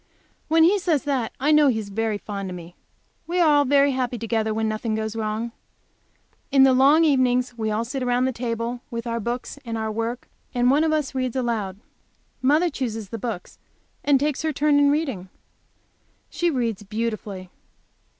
When he says that I know he is very fond of me. We are all very happy together when nothing goes wrong. In the long evenings we all sit around the table with our books and our work, and one of us reads aloud. Mother chooses the book and takes her turn in reading. She reads beautifully.